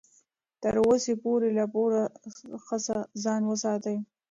تر وسې پورې له پور څخه ځان وساتئ.